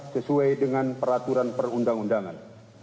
sesuai dengan peraturan perundang undangan